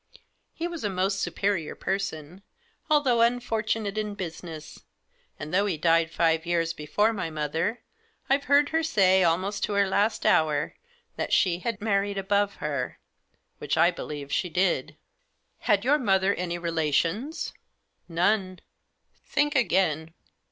He was a most superior person, although unfortunate in business ; and though he died five years before my mother, I've heard her say, almost to her Digitized by 4S THE JOSS, last hour, that she had married above her* wWch I believe she did." " Had your mother any relations ?"" None." " Think again."